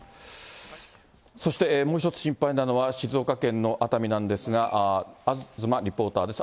そして、もう一つ心配なのは、静岡県の熱海なんですが、東リポーターです。